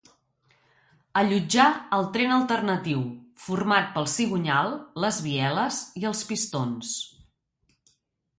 Allotjar el tren alternatiu, format pel cigonyal, les bieles i els pistons.